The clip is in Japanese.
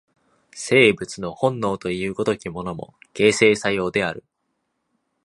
生物の本能という如きものも、形成作用である。